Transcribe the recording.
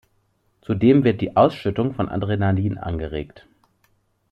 Zudem wird die Ausschüttung von Adrenalin angeregt.